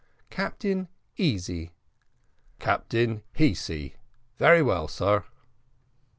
"Captain Easy." "Captain He see, very well, sar."